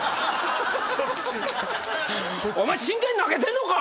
お前真剣に投げてんのか！